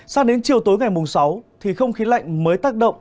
sang đến chiều tối ngày mùng sáu thì không khí lạnh mới tác động